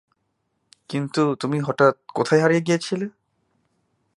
কিন্তু তুমি হঠাৎ কোথায় হারিয়ে গিয়েছিলে?